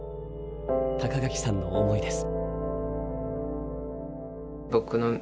垣さんの思いです。